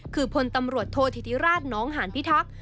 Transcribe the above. คือพลตำรวจโทษธิติราชน้องหานพิทักษ์